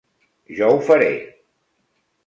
Jo ho faré.